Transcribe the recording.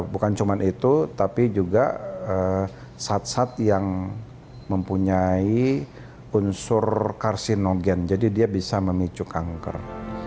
bukan cuma itu tapi juga zat zat yang mempunyai unsur karsinogen jadi dia bisa memicu kanker